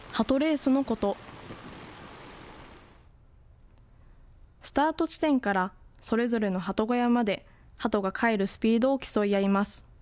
スタート地点からそれぞれのハト小屋までハトが帰るスピードを競い合います。